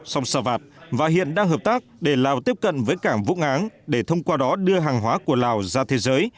sông sa vạt và hiện đang hợp tác để lào tiếp cận với cảng vũng áng để thông qua đó đưa hàng hóa của lào ra thế giới